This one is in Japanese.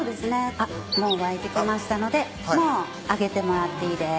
あっもう沸いてきましたのでもう上げてもらっていいです。